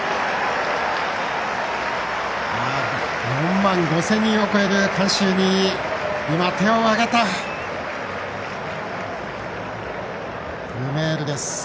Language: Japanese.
４万５０００人を超える観衆に手を上げた、ルメールです。